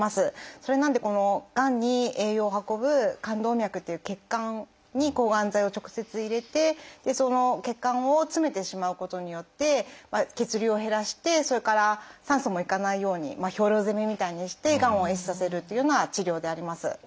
それなのでがんに栄養を運ぶ肝動脈という血管に抗がん剤を直接入れてその血管を詰めてしまうことによって血流を減らしてそれから酸素も行かないように兵糧攻めみたいにしてがんを壊死させるというような治療であります。